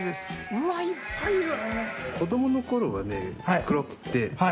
うわいっぱいいる！